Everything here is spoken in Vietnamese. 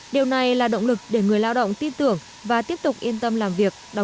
điều này là động lực để người lao động tin tưởng và tiếp tục yên tâm làm việc